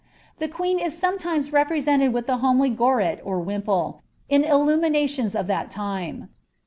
The queen is Bomatinci represented with the homely g'orget or wimple, in illuminatiofts of llMt lime.